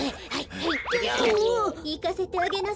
はい。